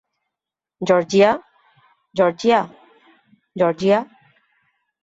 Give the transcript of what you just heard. Georgia, Georgia, Georgia.